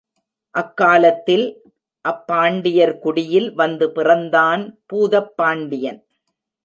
அக்காலத்தில், அப்பாண்டியர் குடியில் வந்து பிறந்தான் பூதப் பாண்டியன்.